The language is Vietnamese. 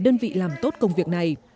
đơn vị làm tốt công việc này